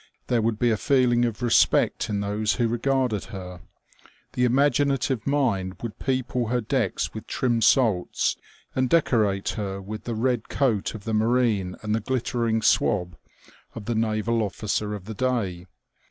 There would be a feeling of respect in those who regarded her. The imaginative mind would people her decks with trim salts, and decorate her with the red coat of the marine and the glittering ^^swab" of the naval officer of the day.